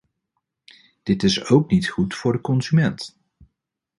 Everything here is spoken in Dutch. Dit is ook niet goed voor de consument.